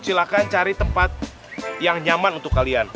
silahkan cari tempat yang nyaman untuk kalian